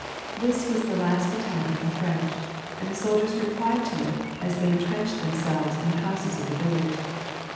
This was the last attack of the French, and the soldiers replied to it as they entrenched themselves in the houses of the village.